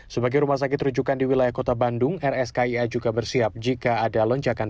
sembilan belas sebagai rumah sakit rujukan di wilayah kota bandung rs kia juga bersiap jika ada lonjakan